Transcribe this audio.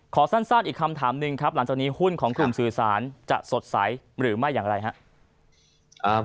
ขอสั้นอีกคำถามหนึ่งครับหลังจากนี้หุ้นของกลุ่มสื่อสารจะสดใสหรือไม่อย่างไรครับ